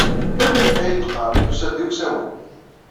Ad yi-d-qqaren tusa-d iwsawen.